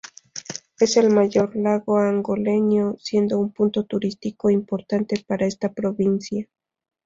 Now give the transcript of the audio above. Es el mayor lago angoleño, siendo un punto turístico importante para esta provincia.